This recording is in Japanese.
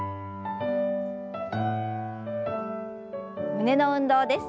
胸の運動です。